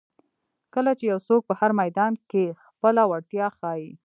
کله چې یو څوک په هر میدان کې خپله وړتیا ښایي.